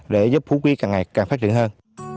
để giúp phú quý càng ngày càng phát triển hơn